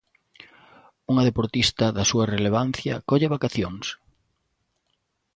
Unha deportista da súa relevancia colle vacacións?